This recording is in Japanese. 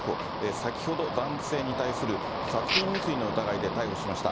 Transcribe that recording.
先ほど、男性に対する殺人未遂の疑いで逮捕しました。